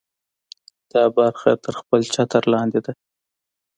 دا برخه تر خپل چتر لاندې ده.